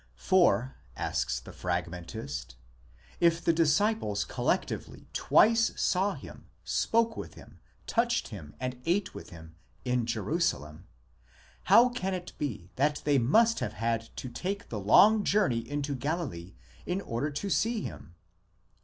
For, asks the Fragmentist, if the disciples collectively twice saw him, spoke with him, touched him, and ate with him, in Jerusalem; how can it be that they must have had to take the long journey into Galilee in order to see him?